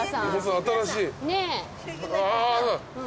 新しい。